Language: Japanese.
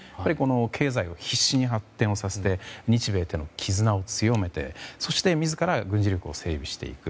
経済を必死に発展させて日米との絆を強めてそして自ら軍事力を整備していく。